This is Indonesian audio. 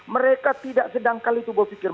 mereka tidak sedangkali tubuh pikir